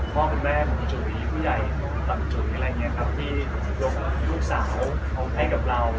พ่อคุณแม่ผู้ใหญ่อะไรอย่างเงี้ยครับที่ลูกลูกสาวเขาให้กับเรา